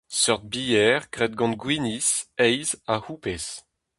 Seurt bier, graet gant gwinizh, heiz ha houpez.